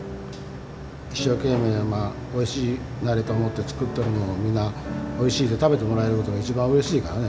一生懸命おいしくなれと思って作っとるのをみなおいしいって食べてもらえることが一番うれしいからね